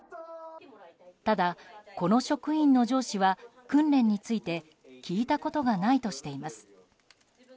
ただ、この職員の上司は訓練について聞いたことがないとしています。